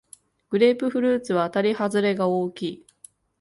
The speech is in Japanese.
グレープフルーツはあたりはずれが大きい